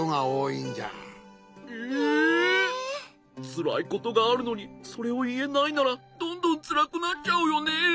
つらいことがあるのにそれをいえないならどんどんつらくなっちゃうよね。